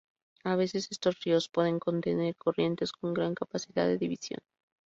A veces estos ríos pueden contener corrientes con gran capacidad de división.